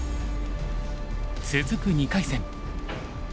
続く２回戦。